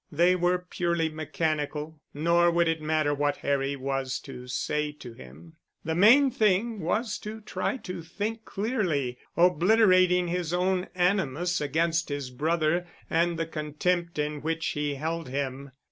They were purely mechanical—nor would it matter what Harry was to say to him. The main thing was to try to think clearly, obliterating his own animus against his brother and the contempt in which he held him.